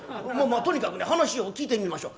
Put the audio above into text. とにかく話を聞いてみましょう。